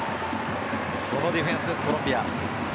このディフェンスです、コロンビア。